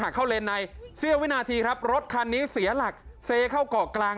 เข้าเลนในเสี้ยววินาทีครับรถคันนี้เสียหลักเซเข้าเกาะกลาง